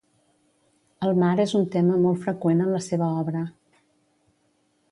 El mar és un tema molt freqüent en la seva obra.